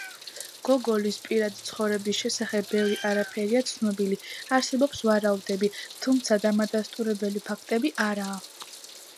გოგოლის პირადი ცხოვრების შესახებ ბევრი არაფერია ცნობილი, არსებობს ვარაუდები, თუმცა დამადასტურებელი ფაქტები არაა.